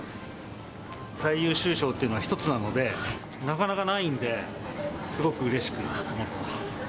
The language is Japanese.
最優秀賞というのは一つなので、なかなかないんで、すごくうれしく思ってます。